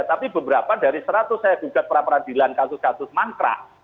tapi beberapa dari seratus saya gugat peradilan kasus kasus mangkrak